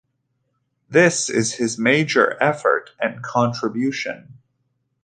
This is his major effort and contribution.